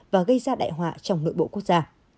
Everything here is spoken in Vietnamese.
và gây ra đại họa trong nội bộ quốc gia